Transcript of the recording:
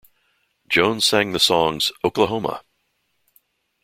Jones sang the songs Oklahoma!